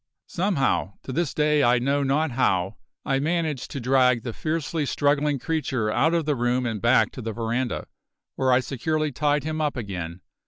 Somehow to this day I know not how I managed to drag the fiercely struggling creature out of the room and back to the veranda, where I securely tied him up again.